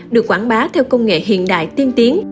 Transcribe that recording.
được quảng bá theo công nghệ hiện đại tiên tiến